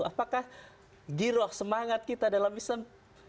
apakah giroh semangat kita dalam islam